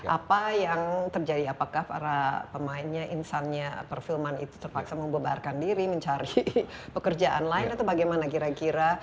apa yang terjadi apakah para pemainnya insannya perfilman itu terpaksa membebarkan diri mencari pekerjaan lain atau bagaimana kira kira